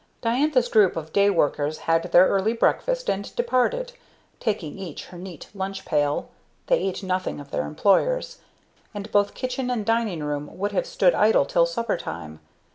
Diantha's group of day workers had their early breakfast and departed, taking each her neat lunch pail, they ate nothing of their employers; and both kitchen and dining room would have stood idle till supper time.